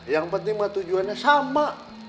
yang penting tujuannya sama